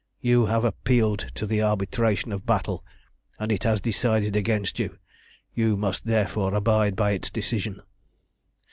You have appealed to the arbitration of battle, and it has decided against you; you must therefore abide by its decision.